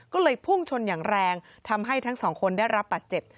ก็เลยพุ่งชนอย่างแรงทำให้ทั้ง๒คนได้รับปัจจิต